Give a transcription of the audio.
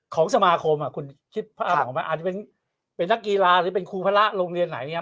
ของสมาคมคุณคิดว่ามันอาจจะเป็นนักกีฬาหรือเป็นครูพระโรงเรียนไหน